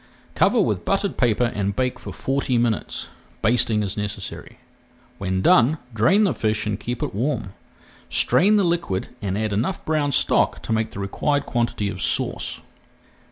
Cover with buttered paper and bake for forty minutes, basting as necessary. When done, drain the fish and keep it warm. Strain the liquid and add enough brown stock to make the required quantity of sauce.